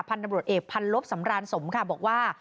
พันธบริโรทเอกพันลบสำรานสมค่ะบอกว่า